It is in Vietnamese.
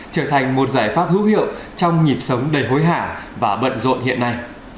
trở thành một giải pháp hữu hiệu trong nhịp sống đầy hối hả và bận rộn hiện nay